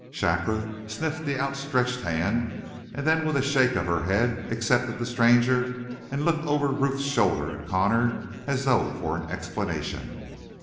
Shakra sniffed the outstretched hand, and then with a shake of her head accepted the stranger and looked over Ruth's shoulder at Connor as though for an explanation.